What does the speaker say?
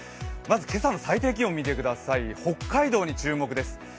今朝の最低気温見てください、北海道に注目です。